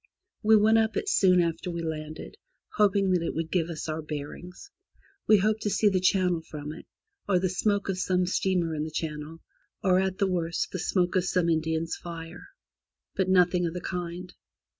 We went up it soon after we landed, hoping that it would give us our bearings. We hoped to see the channel from it, or the smoke of some steamer in the channel, or at the worst the smoke of some Indian's fire. But nothing of the* kind.